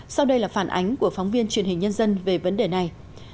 sau đây là phản ánh của phóng viên truyền hình nhân dân về vấn đề này